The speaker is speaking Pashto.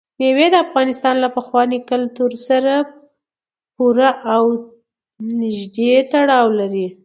مېوې د افغانستان له پخواني کلتور سره پوره او نږدې تړاو لري.